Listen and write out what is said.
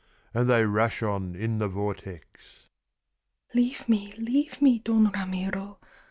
And they rush on in the vortex. "Leave me, leave me, Don Ramiro!